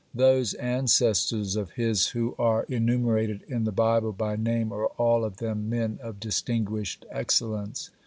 Those ancestors of his who are enumerated in the Bible by name are all of them men of distinguished excellence.